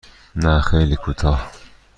نه خیلی کوتاه.